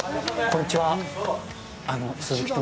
こんにちは。